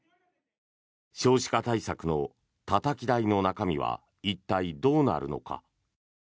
少子化対策のたたき台の中身は一体どうなるのか。